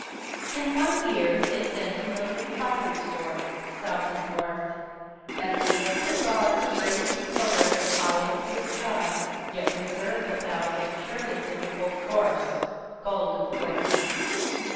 In one year they sent a million fighters forth South and North, And they built their gods a brazen pillar high 75 As the sky, Yet reserved a thousand chariots in full force Gold, of course.